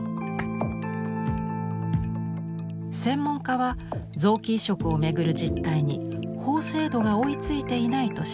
専門家は臓器移植を巡る実態に法制度が追いついていないと指摘。